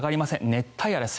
熱帯夜です。